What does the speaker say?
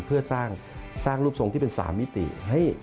เพื่อสร้างรูปทรงที่เป็น๓มิติ